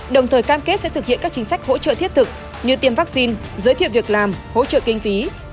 đồng thời cam kết sẽ thực hiện các chính sách hỗ trợ thiết thực như tiêm vaccine giới thiệu việc làm hỗ trợ kinh phí